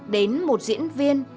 đến một diễn viên